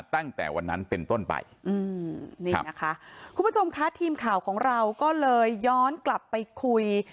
ตั้งแต่วันนั้นเป็นต้นไปอืมนี่นะคะคุณผู้ชมคะทีมข่าวของเราก็เลยย้อนกลับไปคุย